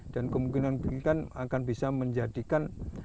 dan kemungkinan berikan akan bisa menjadikan